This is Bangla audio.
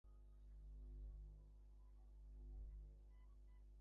সেই কল্পনামাত্র মনে উদয় হইতেই, তাহা নিশ্চয় সত্য বলিয়া তাহার মনে বিশ্বাস হইল।